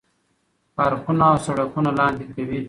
پارکونه او سړکونه لاندې کوي.